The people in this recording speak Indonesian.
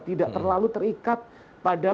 tidak terlalu terikat pada